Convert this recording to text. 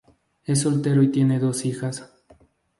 Es soltero y tiene dos hijas.